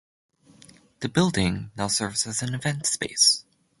The building now serves as an event space.